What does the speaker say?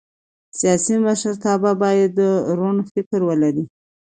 سیاسي مشرتابه باید روڼ فکر ولري